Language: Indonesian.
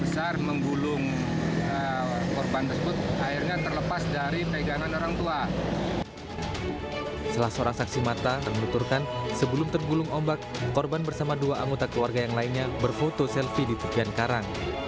setelah seorang saksi mata termuturkan sebelum tergulung ombak korban bersama dua anggota keluarga yang lainnya berfoto selfie di pinggian karang